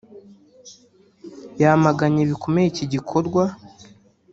yamaganye bikomeye iki gikorwa